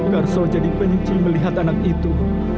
karso jadi benci melihat anak itu